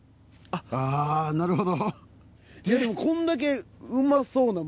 あなるほど。